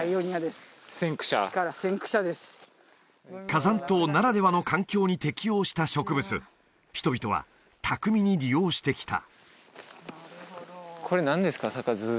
火山島ならではの環境に適応した植物人々は巧みに利用してきた